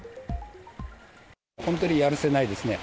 本当にやるせないですね。